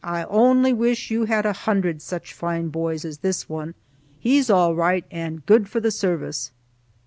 I only wish you had a hundred such fine boys as this one! He's all right, and good for the service."